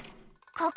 ここ。